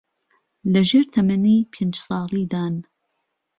لەژێر تەمەنی پێنج ساڵیدان